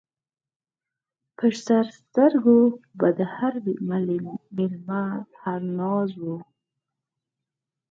پر سر سترګو به د هر مېلمه هر ناز و